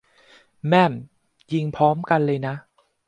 แม่ม ! ยิงพร้อมกันเลยนะ